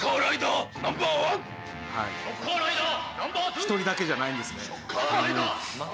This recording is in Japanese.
「１人だけじゃないんですね」